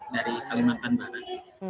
dari kalimantan barat